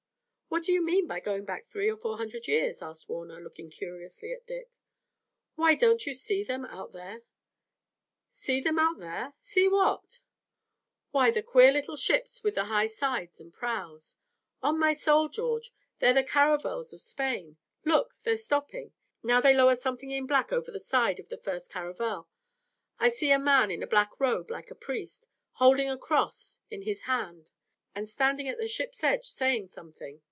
"What do you mean by going back three or four hundred years?" asked Warner, looking curiously at Dick. "Why, don't you see them out there?" "See them out there? See what?" "Why, the queer little ships with the high sides and prows! On my soul, George, they're the caravels of Spain! Look, they're stopping! Now they lower something in black over the side of the first caravel. I see a man in a black robe like a priest, holding a cross in his hand and standing at the ship's edge saying something.